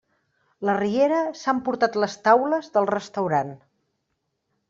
La riera s'ha emportat les taules del restaurant.